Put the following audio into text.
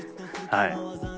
はい。